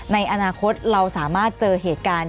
ในอนาคตเราสามารถเจอเหตุการณ์